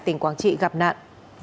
tỉnh quảng trị gặp nạn